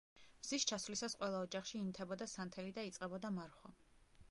მზის ჩასვლისას ყველა ოჯახში ინთებოდა სანთელი და იწყებოდა მარხვა.